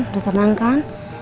udah tenang kan